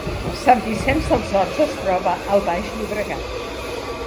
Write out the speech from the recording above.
Sant Vicenç dels Horts es troba al Baix Llobregat